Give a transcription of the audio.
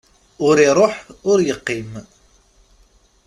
Ur iruḥ ur yeqqim.